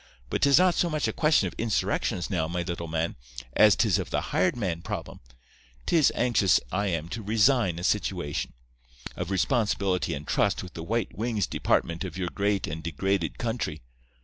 But 'tis not so much a question of insurrections now, me little man, as 'tis of the hired man problem. 'Tis anxious I am to resign a situation of responsibility and trust with the white wings department of your great and degraded country.